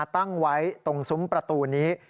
ตั้งไว้ตรงซุ้มประตูนี้